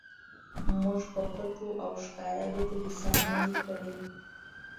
موږ په پټو او ښکاره ګټو حساب نه دی کړی.